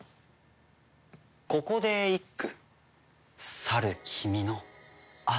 ここで一句。